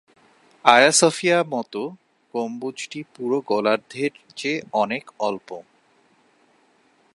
আয়া সোফিয়া মতো গম্বুজটি পুরো গোলার্ধের চেয়ে অনেক অল্প।